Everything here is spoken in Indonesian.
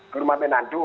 ke rumah minantus